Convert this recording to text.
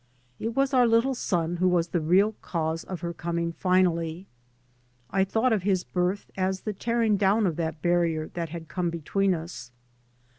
It was our little son who was the real cause of her coming finally. I thought of his birth as the tearing down of that barrier that had come between us.